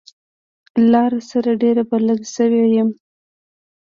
لاره سره ډېر بلد شوی يم.